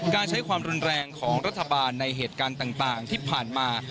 การใช้ความรุนแรงของรัฐบาลในเหตุการณ์ต่างที่ผ่านมา